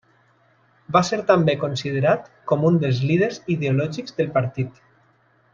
Va ser també considerat com un dels líders ideològics del partit.